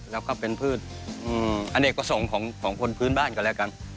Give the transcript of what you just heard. แล้วก็เป็นพืชอเนกประสงค์ของคนพื้นบ้านก็แล้วกัน